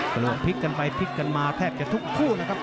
หลวงพลิกกันไปพลิกกันมาแทบจะทุกคู่นะครับ